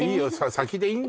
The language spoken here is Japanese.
先でいいんだよ